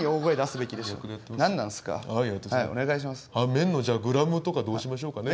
麺のグラムとかどうしましょうかね。